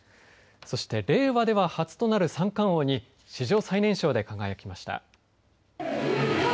そして令和では初となる三冠王に史上最年少で輝きました。